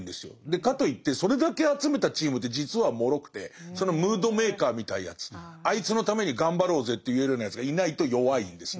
かといってそれだけ集めたチームって実はもろくてそのムードメーカーみたいなやつあいつのために頑張ろうぜって言えるようなやつがいないと弱いんですね。